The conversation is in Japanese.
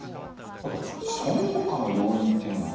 あとそのほかの要因っていうのは。